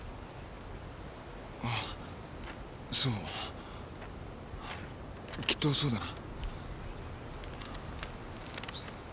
あぁそうきっとそうだな。